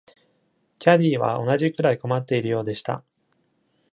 キャディーは同じくらい困っているようでした。